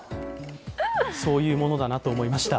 そういうものだなと思いました。